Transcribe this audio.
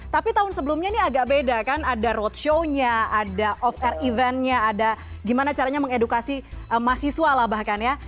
tapi tahun sebelumnya ini agak beda kan ada roadshow nya ada off air eventnya ada gimana caranya mengedukasi mahasiswa lah bahkan ya